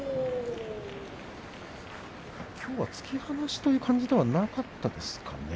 きょうは突き放しという感じではなかったですかね。